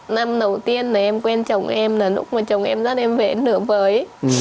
năm đầu tiên là em quen chồng em là lúc mà chồng em dắt em về nửa vời